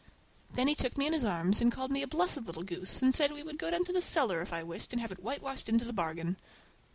Then he took me in his arms and called me a blessed little goose, and said he would go down cellar if I wished, and have it whitewashed into the bargain.